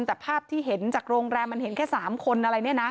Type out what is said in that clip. แต่ภาพที่เห็นจากโรงแรมมันเห็นแค่๓คนอะไรเนี่ยนะ